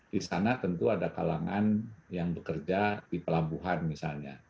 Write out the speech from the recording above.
di sana tentu ada kalangan yang bekerja di pelabuhan misalnya